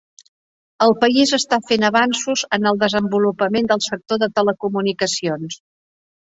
El país està fent avanços en el desenvolupament del sector de telecomunicacions.